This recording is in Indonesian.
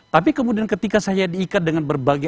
tapi kemudian ketika saya diikat dengan berbagai